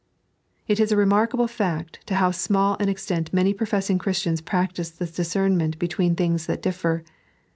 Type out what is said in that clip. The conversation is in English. It is a remarkable t&at to how small an extent many professing Christians practise this discernment between things that differ.